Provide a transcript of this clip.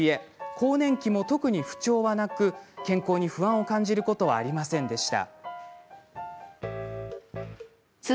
更年期も特に不調はなく健康に不安を感じることはありませんでした。